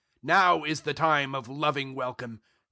Now is the time of loving welcome!